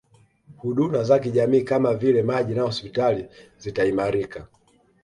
Huduna za kijamii kama vile maji na hospitali zitaimarika